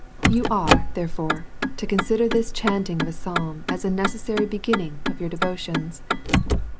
You are, therefore, to consider this chanting of a psalm as a necessary beginning of your devotions^ as DEVOUT AND HOLY LIFE.